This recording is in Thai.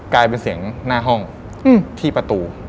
กลายเป็นเสียงหน้าห้องที่ประตู